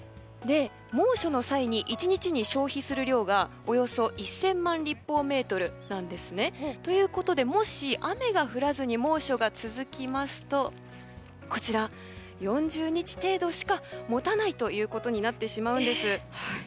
猛暑の際に１日に消費する量がおよそ１０００万立方メートル。ということで、もし雨が降らずに猛暑が続きますと４０日程度しかもたないということになってしまうんです。